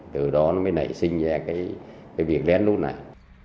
từ đó nó mới nảy sinh ra cái việc lén lút này